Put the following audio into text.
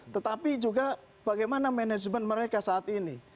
tetapi juga bagaimana manajemen mereka saat ini